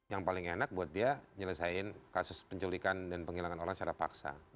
yang paling enak buat dia nyelesaikan kasus penculikan dan penghilangan orang secara paksa